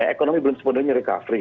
ekonomi belum sepenuhnya recovery